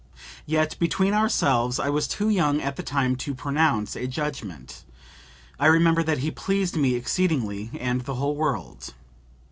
Yet, between ourselves, I was too young at the time to pronounce a judgment; I remember that he pleased me exceedingly, and the whole world.